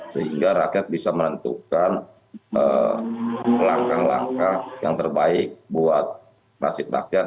sehingga rakyat bisa menentukan langkah langkah yang terbaik buat nasib rakyat